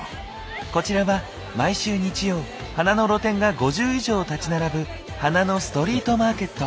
こちらは毎週日曜花の露店が５０以上立ち並ぶ花のストリートマーケット。